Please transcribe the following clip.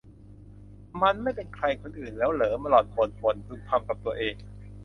มันไม่เป็นใครคนอื่นแล้วหรอ หล่อนบ่นบ่นพึมพำกับตัวเอง